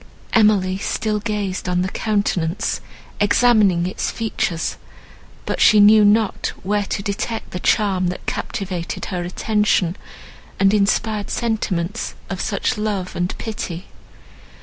Emily still gazed on the countenance, examining its features, but she knew not where to detect the charm that captivated her attention, and inspired sentiments of such love and pity.